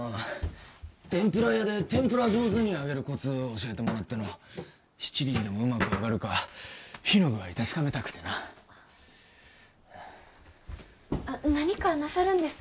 天ぷら屋で天ぷら上手に揚げるコツ教えてもらっての七輪でもうまく揚がるか火の具合確かめたくてな何かなさるんですか？